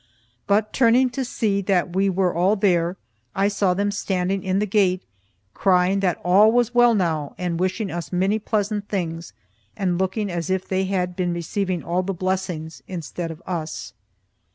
But, turning to see that we were all there, I saw them standing in the gate, crying that all was well now, and wishing us many pleasant things, and looking as if they had been receiving all the blessings instead of us.